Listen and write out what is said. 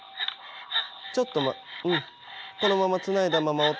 ちょっとうんこのままつないだままおってね。